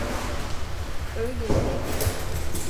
Öyleyse git.